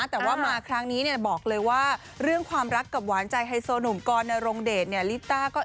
แต่ว่ามาครั้งนี้บอกเลยว่าเรื่องความรักกับหวานใจไฮโซหนุ่มก่อนในโรงเดท